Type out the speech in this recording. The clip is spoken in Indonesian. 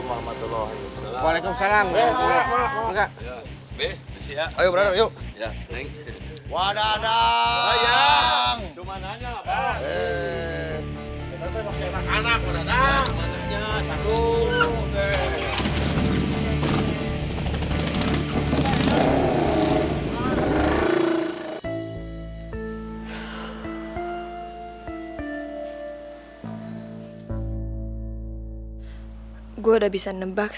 neng kita ke warung mba be aja bah